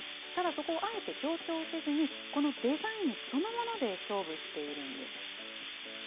ただ、そこをあえて強調せずに、このデザインそのもので勝負しているんです。